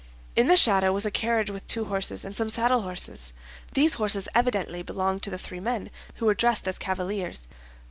In the shadow was a carriage with two horses, and some saddlehorses. These horses evidently belonged to the three men, who were dressed as cavaliers.